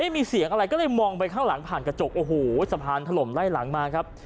ไม่มีเสียงอะไรก็เลยมองไปข้างหลังผ่านกระจกโอ้โหสะพานถล่มไล่หลังมาครับ